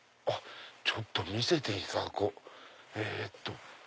ちょっと見せていただこう。